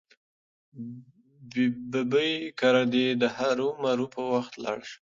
ببۍ کره دې هرو مرو په وخت لاړه شه.